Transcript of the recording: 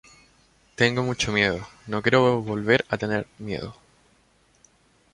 tengo mucho miedo. no quiero volver a tener miedo.